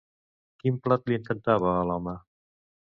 Quin plat li encantava a l'home?